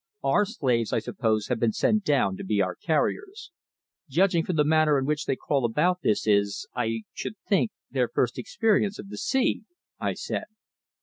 Our slaves, I suppose, have been sent down to be our carriers." "Judging from the manner in which they crawl about this is, I should think, their first experience of the sea," I said.